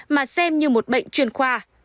mà xem như một bệnh chuyên khoa